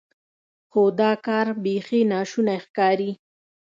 خو دا کار بیخي ناشونی ښکاري.